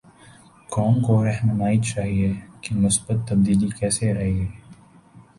قوم کوراہنمائی چاہیے کہ مثبت تبدیلی کیسے آئے گی؟